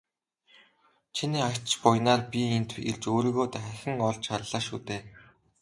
Чиний ач буянаар би энд ирж өөрийгөө дахин олж харлаа шүү дээ.